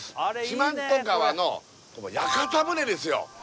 四万十川の屋形船ですよ